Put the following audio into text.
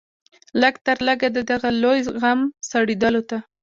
لږ تر لږه د دغه لوی غم سړېدلو ته.